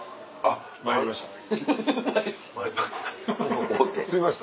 参りました。